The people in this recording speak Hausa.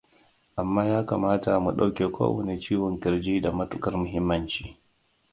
amma ya kamata mu ɗauke kowane ciwon kirji da matuƙar mahimmanci